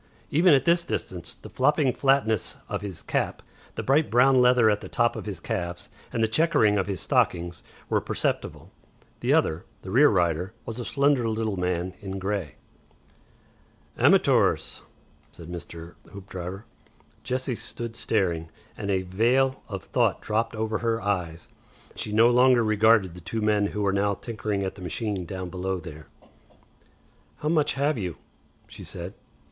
Even at this distance the flopping flatness of his cap, the bright brown leather at the top of his calves, and the chequering of his stockings were perceptible. The other, the rear rider, was a slender little man in grey. "Amatoors," said Mr. Hoopdriver. Jessie stood staring, and a veil of thought dropped over her eyes. She no longer regarded the two men who were now tinkering at the machine down below there. "How much have you?" she said.